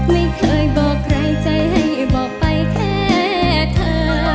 ไม่เคยบอกใครใจให้บอกไปแค่เธอ